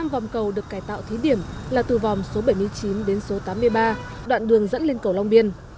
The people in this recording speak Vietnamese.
năm vòng cầu được cải tạo thí điểm là từ vòng số bảy mươi chín đến số tám mươi ba đoạn đường dẫn lên cầu long biên